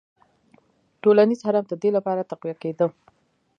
ټولنیز هرم د دې لپاره تقویه کېده.